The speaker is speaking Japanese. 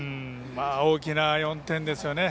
大きな４点ですよね。